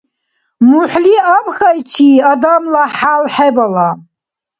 МухӀли абхьайчи, адамла хӀял хӀебала.